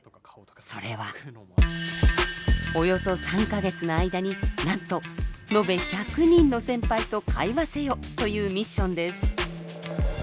それはおよそ３か月の間になんとのべ１００人の先輩と会話せよ！というミッションです。